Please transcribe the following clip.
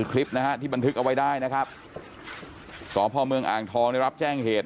คลิปที่บันทึกเอาไว้ได้สองพ่อเมืองอ่างทองรับแจ้งเหตุ